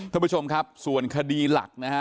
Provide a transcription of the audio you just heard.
ท่านผู้ชมครับส่วนคดีหลักนะฮะ